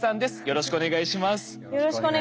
よろしくお願いします。